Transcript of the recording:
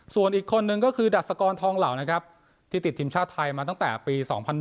ส่วนอีกคนนึงก็คือดัชกรทองเหล่านะครับที่ติดทีมชาติไทยมาตั้งแต่ปี๒๐๑